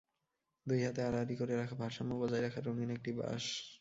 দুই হাতে আড়াআড়ি করে রাখা ভারসাম্য বজায় রাখার রঙিন একটি বাঁশ।